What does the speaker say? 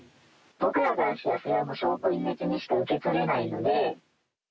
僕らからすると、もう証拠隠滅にしか受け取れないので。